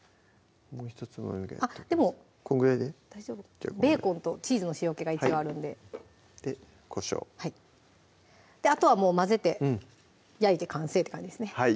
もうひとつまみぐらいあっでも大丈夫ベーコンとチーズの塩けが一応あるんででこしょうはいあとは混ぜて焼いて完成って感じですね